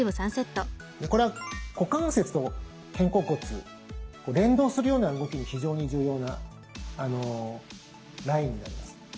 これは股関節と肩甲骨連動するような動きに非常に重要なラインになります。